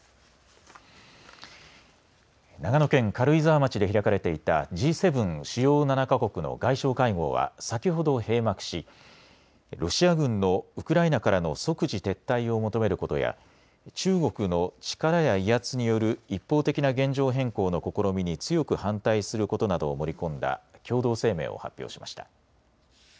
長野県軽井沢町で開かれていたＧ７・主要７か国の外相会合は先ほど閉幕しロシア軍のウクライナからの即時撤退を求めることや中国の力や威圧による一方的な現状変更の試みに強く反対することなどを盛り込んだ共同声明を発表しました。